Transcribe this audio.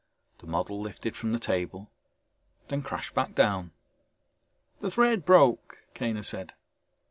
The model lifted from the table then crashed back down. "The thread broke," Kaner said.